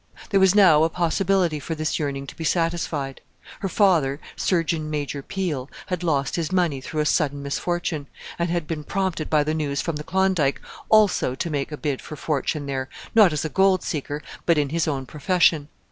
There was now a possibility for this yearning to be satisfied. Her father, Surgeon Major Peel, had lost his money through a sudden misfortune, and had been prompted by the news from the Klondike also to make a bid for fortune there, not as a gold seeker, but in his own profession.